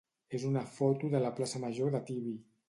és una foto de la plaça major de Tibi.